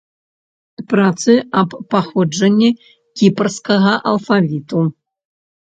Працы аб паходжанні кіпрскага алфавіту.